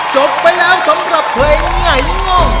จบไปแล้วสำหรับคลิ้วไงงง